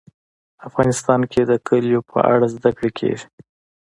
افغانستان کې د کلیو په اړه زده کړه کېږي.